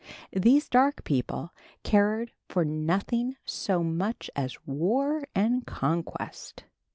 These dark people cared for nothing so much as war and conquest.